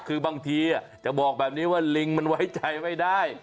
คือบางทีจะบอกแบบนี้ว่าลิงมันไว้ใจไม่ได้